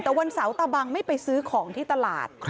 แต่วันเสาร์ตาบังไม่ไปซื้อของที่ตลาด